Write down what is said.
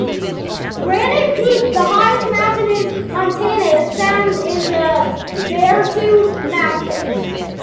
Granite Peak, the highest mountain in Montana, is found in the Beartooth Mountains.